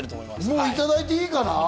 もういただいていいかな？